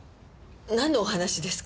なんのお話ですか？